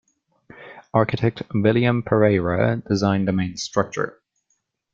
Architect William Pereira designed the main structure.